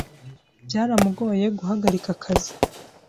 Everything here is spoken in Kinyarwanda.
Byaramugoye guhagarika akazi.